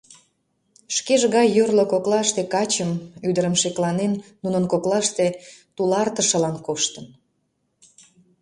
Шкеж гай йорло коклаште качым, ӱдырым шекланен, нунын коклаште тулартышылан коштын.